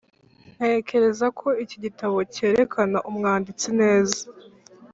ntekereza ko iki gitabo cyerekana umwanditsi neza.